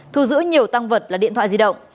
thu giữ nhiều tăng vật là điện thoại di động